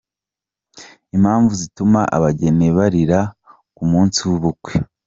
Impamvu zituma abageni barira ku munsi w’ubukwe